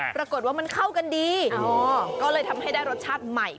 ปรากฏว่ามันเข้ากันดีก็เลยทำให้ได้รสชาติใหม่